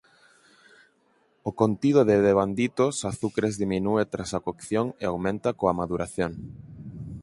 O contido de devanditos azucres diminúe tras a cocción e aumenta coa maduración.